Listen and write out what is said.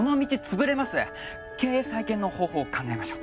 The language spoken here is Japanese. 経営再建の方法を考えましょう。